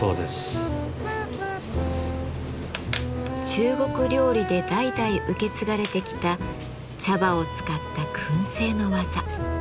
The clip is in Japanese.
中国料理で代々受け継がれてきた茶葉を使った燻製の技。